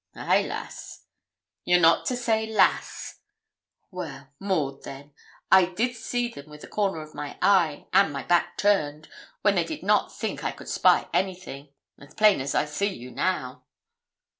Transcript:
'Ay, lass.' 'You're not to say lass.' 'Well, Maud, then. I did see them with the corner of my eye, and my back turned, when they did not think I could spy anything, as plain as I see you now.'